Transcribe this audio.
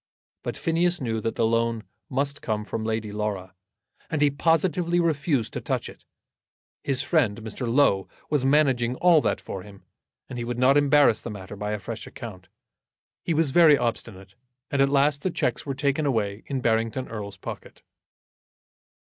But Phineas knew that the loan must come from Lady Laura, and he positively refused to touch it. His friend, Mr. Low, was managing all that for him, and he would not embarrass the matter by a fresh account. He was very obstinate, and at last the cheques were taken away in Barrington Erle's pocket.